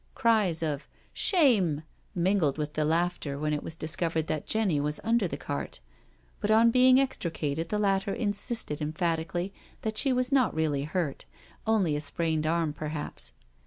Cries of " Shame I" mingled with the laughter when i "^ ON A TROLLY CART 129 it was discovered that Jenny was under the cart, but on being extricated the latter insisted emphatically that she was not really hurt, only a sprained arm perhaps.